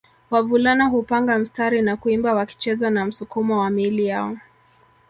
Wavulana hupanga msitari na kuimba wakicheza na msukumo wa miili yao